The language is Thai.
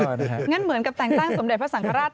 งั้นเหมือนกับแต่งตั้งสมเด็จพระสังฆราช